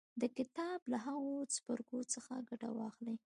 د کتاب له هغو څپرکو څخه ګټه واخلئ